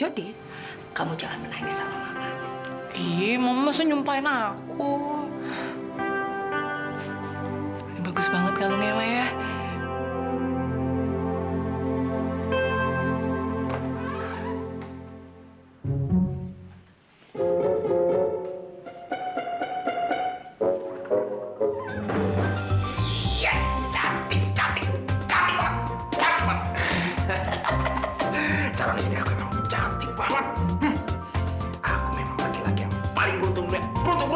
aku memang bagi lagi yang paling beruntung beruntung beruntung